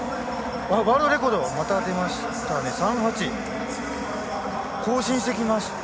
ワールドレコードがまた出ましたね。